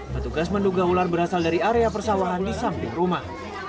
petugas menduga ular berasal dari area persawahan di samping rumah